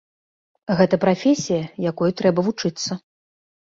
Гэта прафесія, якой трэба вучыцца.